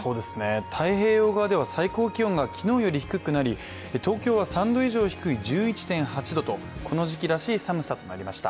太平洋側では最高気温が昨日より低く名られい東京は３度以上低い１１．８度とこの時季らしい寒さとなりました。